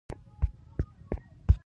. يو ماښام يوه جومات ته ور وګرځېدم،